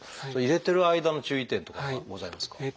入れてる間の注意点とかはございますか？